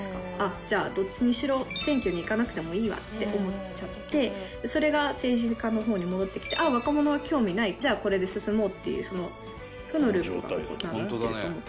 じゃあどっちにしろ選挙に行かなくていいと思っちゃってそれが政治家の方に戻ってきて「若者は興味ない。これで進もう」という負のループになってると思って。